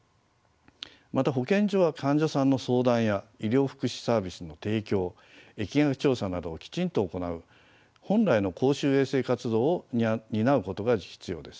また保健所は患者さんの相談や医療福祉サービスの提供疫学調査などをきちんと行う本来の公衆衛生活動を担うことが必要です。